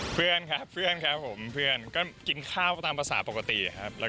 เพื่อนครับเพื่อนครับผมเพื่อนก็กินข้าวตามภาษาปกติครับ